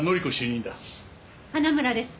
花村です。